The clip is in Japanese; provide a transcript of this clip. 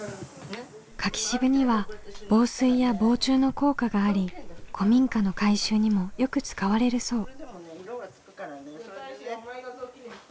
柿渋には防水や防虫の効果があり古民家の改修にもよく使われるそう。